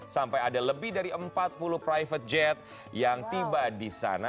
sampai ada lebih dari empat puluh private jet yang tiba di sana